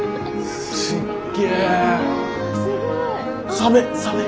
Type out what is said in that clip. サメサメ！